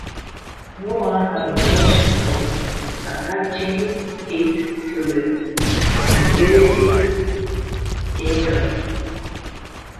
No one had the notion of attaching it to the novelistic genre.